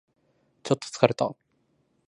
ちょっと疲れた